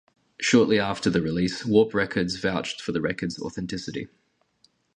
Shortly after the release, Warp Records vouched for the record's authenticity.